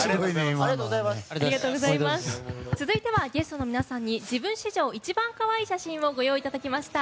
続いては、ゲストの皆さんに自分史上一番かわいい写真をご用意いただきました。